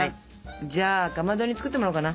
じゃあかまどに作ってもらおうかな。